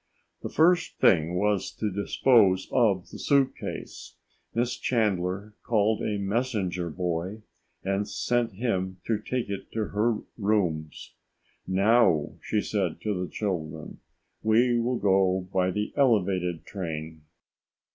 The first thing was to dispose of the suit case. Miss Chandler called a messenger boy and sent him to take it to her rooms. "Now," she said to the children, "we will go by the elevated train."